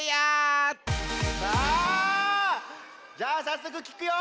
さあじゃあさっそくきくよ。